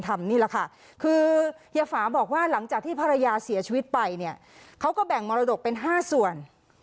ติดภรรยาเสียชีวิตไปเนี่ยเขาก็แบ่งมรดกเป็น๕ส่วน